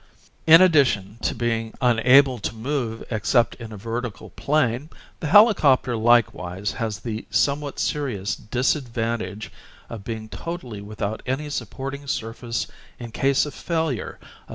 In addition to being unable to move except in a vertical plane, the helicopter likewise has the somewhat serious disadvantage of being totally without any supporting surface in case of failure of Fig.